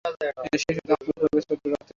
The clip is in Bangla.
সে শুধু আপনার পরিবার ছোট রাখতে চেয়েছে।